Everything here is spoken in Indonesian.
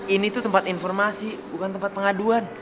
ini tuh tempat informasi bukan tempat pengaduan